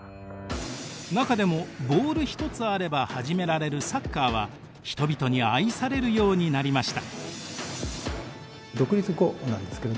中でもボール一つあれば始められるサッカーは人々に愛されるようになりました。